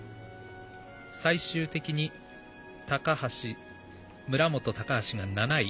最終的に村元、高橋が７位。